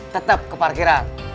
tetap ke parkiran